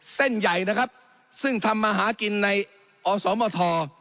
เส้นใหญ่นะครับซึ่งทำมาหากินในอสมท